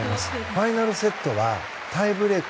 ファイナルセットはタイブレーク。